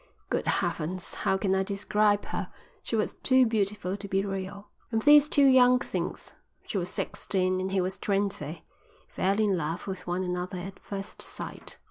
Good Heavens, how can I describe her? She was too beautiful to be real." "And these two young things, she was sixteen and he was twenty, fell in love with one another at first sight.